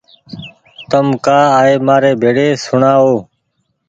تم ڪآ آئي مآري ڀيڙي سوڻآ او